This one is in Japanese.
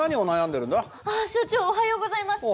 あっ所長おはようございます。